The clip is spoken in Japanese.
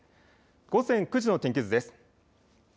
午前９時の天気図です。